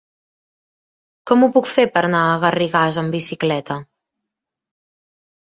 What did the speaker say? Com ho puc fer per anar a Garrigàs amb bicicleta?